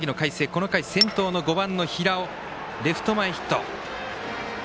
この回、先頭の平尾レフト前ヒット。